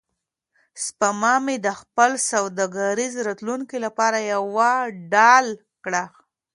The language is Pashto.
سپما مې د خپل سوداګریز راتلونکي لپاره یوه ډال کړه.